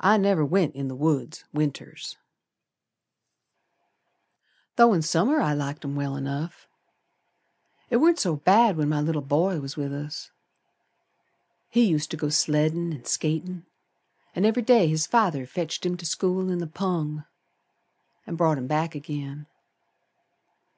I never went in t' th' woods Winters, Though in Summer I liked 'em well enough. It warn't so bad when my little boy was with us. He used to go sleddin' and skatin', An' every day his father fetched him to school in the pung An' brought him back agin.